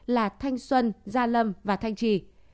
là thanh xuân gia lâm và thanh trì